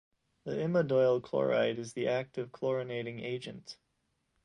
The imidoyl chloride is the active chlorinating agent.